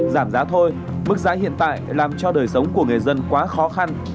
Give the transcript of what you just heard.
giảm giá thôi mức giá hiện tại làm cho đời sống của người dân quá khó khăn